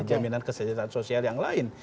jaminan kesejahteraan sosial yang lain